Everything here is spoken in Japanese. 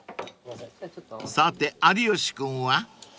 ［さて有吉君は？］